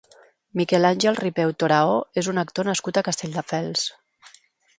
Miquel Àngel Ripeu Toraó és un actor nascut a Castelldefels.